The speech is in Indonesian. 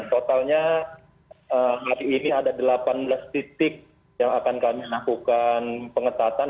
dan totalnya hari ini ada delapan belas titik yang akan kami lakukan pengetatan